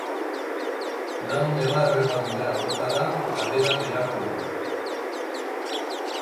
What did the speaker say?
Lau neba-arreba dira orotara eta bera bigarrena da.